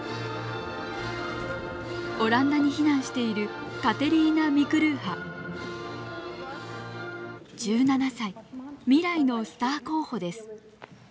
オランダに避難している１７歳未来のスター候補です。